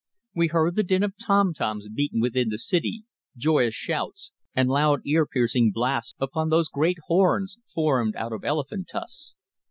We heard the din of tom toms beaten within the city, joyous shouts, and loud ear piercing blasts upon those great horns formed out of elephant tusks.